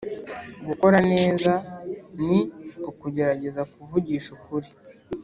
gukora neza ni ukugerageza kuvugisha ukuri